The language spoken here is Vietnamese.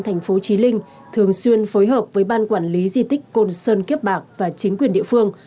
thành phố trí linh thường xuyên phối hợp với ban quản lý di tích côn sơn kiếp bạc và chính quyền địa phương